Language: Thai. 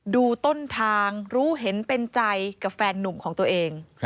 ดูต้นทางรู้เห็นเป็นใจกับแฟนนุ่มของตัวเอง